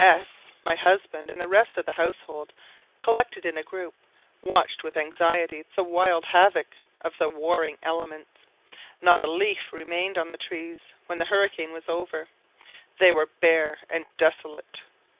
S , my husband, and the rest of the household, collected in a group, watched with anxiety the wild havoc of the warring elements. Not a leaf remained on the trees when the hurricane was over; they were bare and desolate.